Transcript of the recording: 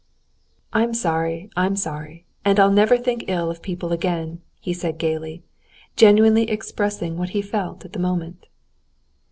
"I'm sorry, I'm sorry, and I'll never think ill of people again!" he said gaily, genuinely expressing what he felt at the moment.